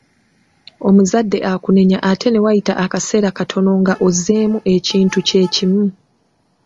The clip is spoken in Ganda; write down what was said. Omuzadde akunenya ate ne wayita akaseera katono nga ozzeemu ekinti kye kimu.